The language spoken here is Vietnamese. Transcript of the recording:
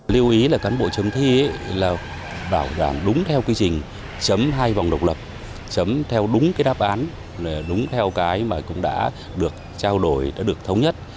lưu ý là cán bộ chấm thi là bảo đảm đúng theo quy trình chấm hai vòng độc lập chấm theo đúng cái đáp án đúng theo cái mà cũng đã được trao đổi đã được thống nhất